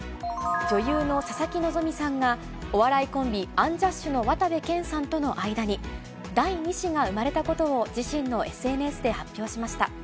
女優の佐々木希さんが、お笑いコンビ、アンジャッシュの渡部建さんとの間に第２子が産まれたことを自身のＳＮＳで発表しました。